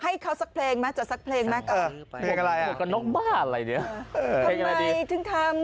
ให้เขาสักเพลงใหม่จัดสักเพลงใหม่